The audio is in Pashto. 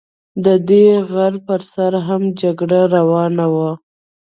د دې غر پر سر هم جګړه روانه وه.